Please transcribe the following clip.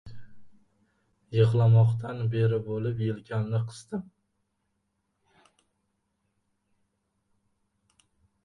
Yig‘lamoqdan beri bo‘lib, yelkamni qisdim.